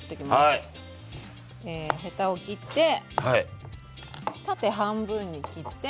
ヘタを切って縦半分に切って。